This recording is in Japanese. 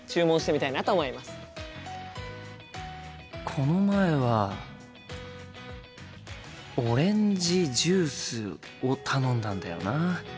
この前はオレンジジュースを頼んだんだよな。